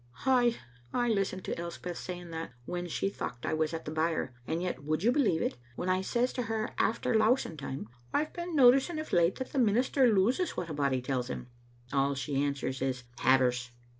Ay, I listened to Elspeth saying that, when she thocht I was at the byre, and yet, would you believe it, when I says to her after lousing time, *rve been noticing of late that the minister loses what a body tells him,' all she answers is 'Havers.